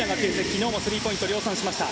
昨日もスリーポイントを量産しました。